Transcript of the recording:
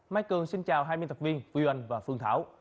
máy cường xin chào hai miên tập viên quyền và phương thảo